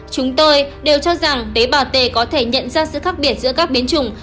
chúng tôi đều cho rằng tế bào t có thể nhận ra sự khác biệt giữa các biến chủng